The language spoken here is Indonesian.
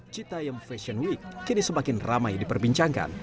citayem fashion week kini semakin ramai diperbincangkan